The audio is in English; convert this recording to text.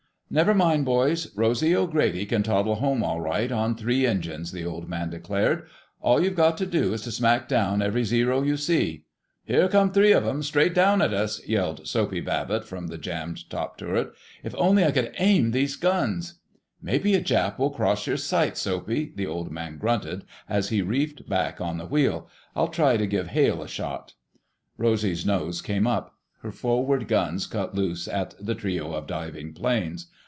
"Never mind, boys, Rosy O'Grady can toddle home all right on three engines," the Old Man declared. "All you've got to do is to smack down every Zero you see...." "Here come three of 'em, straight down at us!" yelped Soapy Babbitt from the jammed top turret. "If only I could aim these guns!" "Maybe a Jap will cross your sights, Soapy!" the Old Man grunted, as he reefed back on the wheel. "I'll try to give Hale a shot." Rosy's nose came up. Her forward guns cut loose at the trio of diving planes.